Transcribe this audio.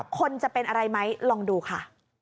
คนจะเป็นอะไรไหมลองดูค่ะ